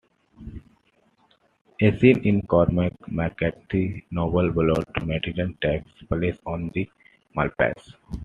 A scene in Cormac McCarthy's novel "Blood Meridian" takes place on the malpais.